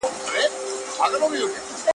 زه اجازه لرم چي تمرين وکړم؟!